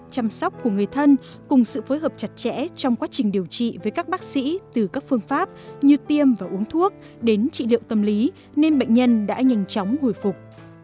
chăm sóc của người thân cùng sự phối hợp chặt chẽ trong quá trình điều trị với các bác sĩ từ các phương pháp như tiêm và uống thuốc đến trị liệu tâm lý nên bệnh nhân đã nhanh chóng hồi phục